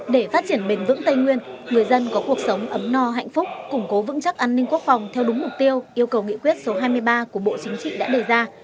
để phát triển bền vững tây nguyên người dân có cuộc sống ấm no hạnh phúc củng cố vững chắc an ninh quốc phòng theo đúng mục tiêu yêu cầu nghị quyết số hai mươi ba của bộ chính trị đã đề ra